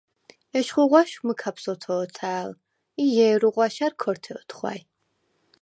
ეშხუ ღვაშ მჷქფას ოთო̄თა̄̈ლ ი ჲერუ ღვაშა̈რ ქორთე ოთხვა̈ჲ.